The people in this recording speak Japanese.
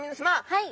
はい。